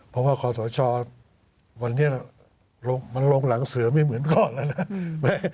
เพราะว่าคอสชวันนี้มันลงหลังเสือไม่เหมือนก่อนแล้วนะ